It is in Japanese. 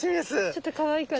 ちょっとかわいいから。